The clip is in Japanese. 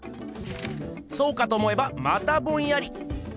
そうかと思えばまたボンヤリ。